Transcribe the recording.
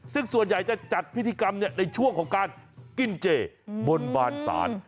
ซึ่งส่วนใหญ่จะจัดพิธีกรรมในช่วงของการกินเจบนบานศาล